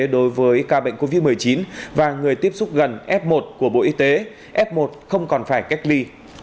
đối với ca bệnh covid một mươi chín và người tiếp xúc gần f một của bộ y tế f một không còn phải cách ly